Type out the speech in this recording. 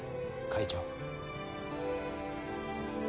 会長。